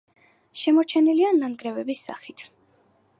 შემორჩენილია ნანგრევების სახით.